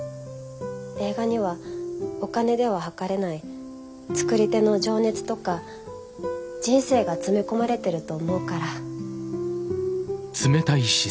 映画にはお金でははかれない作り手の情熱とか人生が詰め込まれてると思うから。